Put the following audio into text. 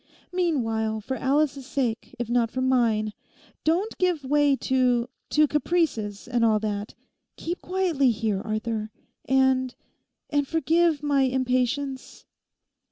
Meanwhile, for Alice's sake, if not for mine, don't give way to—to caprices, and all that. Keep quietly here, Arthur. And—and forgive my impatience.